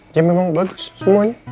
ya memang bagus semuanya